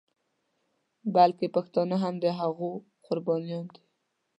بلکې پښتانه هم د هغوی قربانیان دي.